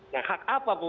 nah hak apa